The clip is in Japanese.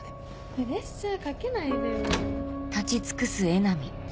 プレッシャーかけないでよ。